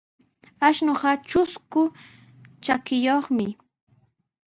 Ashnuqa trusku trakiyuqmi.